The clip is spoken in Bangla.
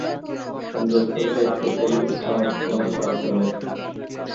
কেন্দ্রস্থলে একটি হলুদ পাঁচ কোনা তারকা রয়েছে।